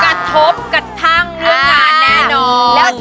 กระทบกระทั่งเรื่องงานแน่นอน